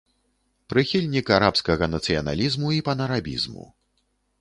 Прыхільнік арабскага нацыяналізму і панарабізму.